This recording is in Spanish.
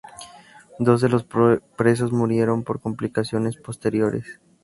Dos de los presos murieron por complicaciones posteriores.